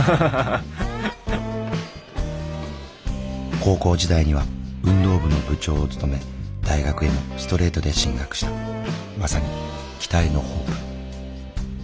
高校時代には運動部の部長を務め大学へもストレートで進学したまさに期待のホープ。